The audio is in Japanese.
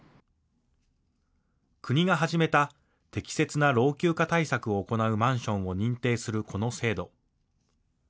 国が始めた適切な老朽化対策を行うマンションを認定するこの制度。